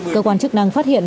cơ quan chức năng phát hiện